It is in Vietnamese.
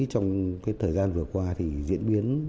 trong cái thời gian vừa qua thì diễn biến